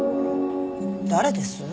誰です？